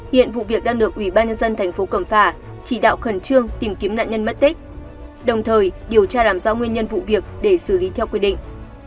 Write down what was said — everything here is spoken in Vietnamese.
hiện vụ việc đang được ủy ban nhân dân thành phố cẩm phả chỉ đạo khẩn trương tìm kiếm nạn nhân mất tích đồng thời điều tra làm rõ nguyên nhân vụ việc để xử lý theo quy định